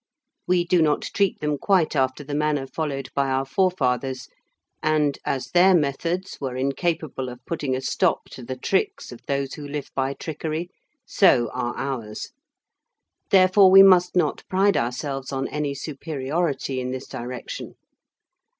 We do not treat them quite after the manner followed by our forefathers: and, as their methods were incapable of putting a stop to the tricks of those who live by trickery, so are ours; therefore we must not pride ourselves on any superiority in this direction.